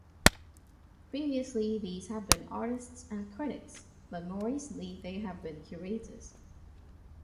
Previously these had been artists and critics, but more recently they have been curators.